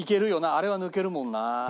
あれは抜けるもんな。